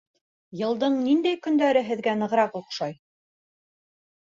Йылдың ниндәй көндәре һеҙгә нығыраҡ оҡшай?